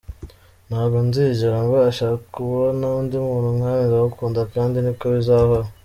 Ntabwo nzigera mbasha kubona undi muntu nkawe, ndagukunda kandi niko bizahora.